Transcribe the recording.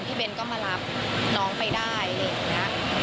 พี่เบ้นก็มารับน้องไปได้เลยนะ